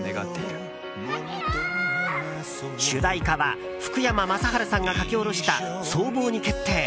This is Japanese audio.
主題歌は福山雅治さんが書き下ろした「想望」に決定。